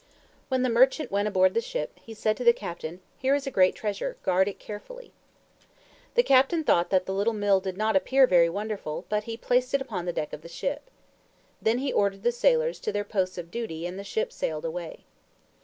When the merchant went aboard the ship, he said to the captain, "Here is a great treasure. Guard it carefully." The captain thought that the little Mill did not appear very wonderful, but he placed it upon the deck of the ship. Then he ordered the sailors to their posts of duty, and the ship sailed away.